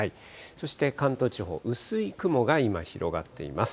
そして関東地方、薄い雲が今、広がっています。